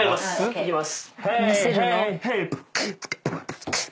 いきます。